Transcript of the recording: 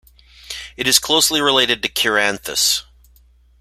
It is closely related to "Cheiranthus".